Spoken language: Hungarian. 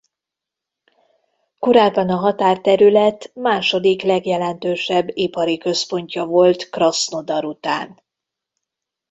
Korábban a határterület második legjelentősebb ipari központja volt Krasznodar után.